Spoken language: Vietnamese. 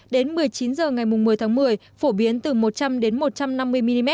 đến một mươi chín h ngày một mươi tháng một mươi phổ biến từ một trăm linh đến một trăm năm mươi mm